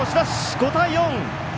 ５対４！